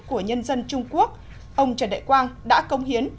của nhân dân trung quốc ông trần đại quang đã công hiến